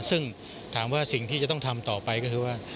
ซึ่งถามว่าสิ่งที่จะต้องทำต่อไปก็คือว่า